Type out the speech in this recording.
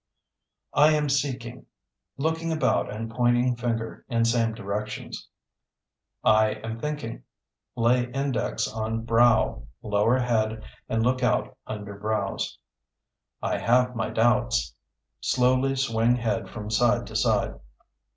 I am seeking (Looking about and pointing finger in same directions). I am thinking (Lay index on brow, lower head and look out under brows). I have my doubts (Slowly swing head from side to side).